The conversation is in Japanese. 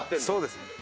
そうです。